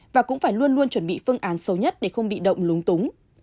và cũng phải luôn luôn chuẩn bị phương án xấu nhất để không bị động lúng túng